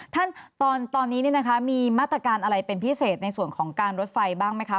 ท่านตอนนี้มีมาตรการอะไรเป็นพิเศษในส่วนของการรถไฟบ้างไหมคะ